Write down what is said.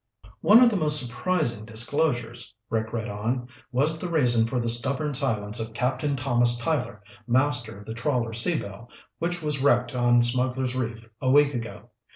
"'One of the most surprising disclosures,'" Rick read on, "'was the reason for the stubborn silence of Captain Thomas Tyler, master of the trawler Sea Belle, which was wrecked on Smugglers' Reef a week ago.